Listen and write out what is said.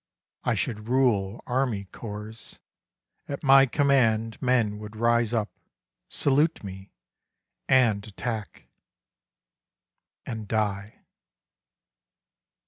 I should rule army corps : at ray command Men would rise up, salute me, and attack — And die.